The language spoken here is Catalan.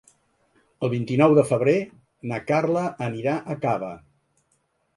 El vint-i-nou de febrer na Carla anirà a Cava.